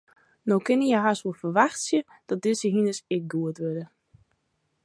No kinne je hast wol ferwachtsje dat dizze hynders ek goed wurde.